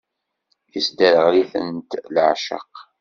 Isderɣel-itent leɛceq.